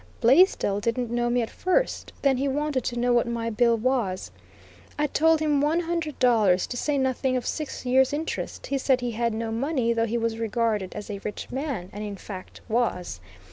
Blaisdell didn't know me at first; then he wanted to know what my bill was; I told him one hundred dollars, to say nothing of six years' interest; he said he had no money, though he was regarded as a rich man, and in fact was.